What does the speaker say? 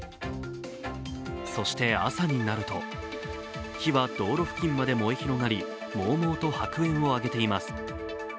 そして朝になると、火は道路付近まで燃え広がり、もうもうと白煙を上げています。